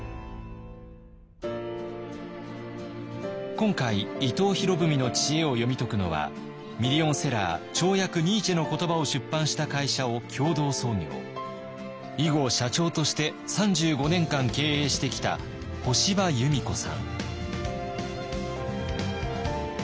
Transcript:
今回伊藤博文の知恵を読み解くのはミリオンセラー「超訳ニーチェの言葉」を出版した会社を共同創業以後社長として３５年間経営してきた干場弓子さん。